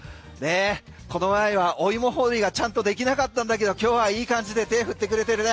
この前はお芋掘りがちゃんとできなかったんだけど今日はいい感じで手を振ってくれてるね。